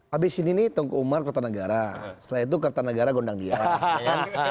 habis ini nih tengku umar kertanegara setelah itu kertanegara gondang dia kan